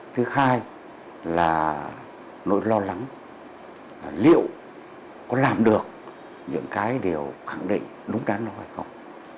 thứ hai là nỗi lo lắng liệu có làm được những cái điều khẳng định đúng đắn không